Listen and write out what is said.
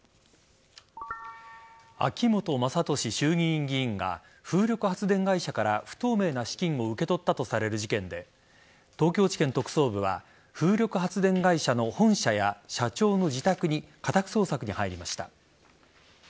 秋本真利衆議院議員が風力発電会社から不透明な資金を受け取ったとされる事件で東京地検特捜部は風力発電会社の本社や社長の自宅に家宅捜索に入りました。